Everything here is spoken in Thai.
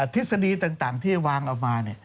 ทฤษฎีต่างที่วางออกมา